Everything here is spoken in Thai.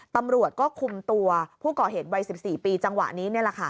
ตำรวจก็คุมตัวผู้ก่อเหตุวัย๑๔ปีจังหวะนี้